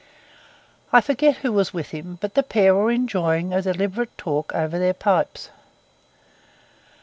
I forget who was with him, but the pair were enjoying a deliberate talk over their pipes.